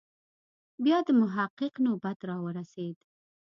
بیا د محقق نوبت راورسېد.